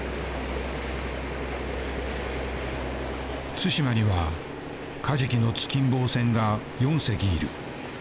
対馬にはカジキの突きん棒船が４隻いる。